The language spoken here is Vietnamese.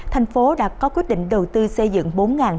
thành phố đã có quyết định đầu tư xây dựng bốn năm trăm linh